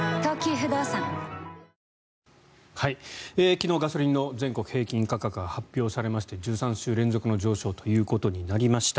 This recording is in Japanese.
昨日、ガソリンの全国平均価格が発表されいまして１３週連続の上昇ということになりました。